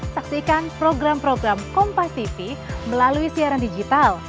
saksikan program program kompati melalui siaran digital